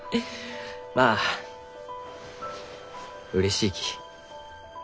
まあうれしいきわしは。